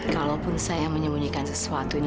kalaupun saya menyembunyikan sesuatu ini